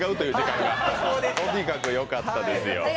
とにかくよかったですよ。